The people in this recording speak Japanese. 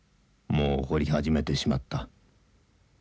もう掘り始めてしまった。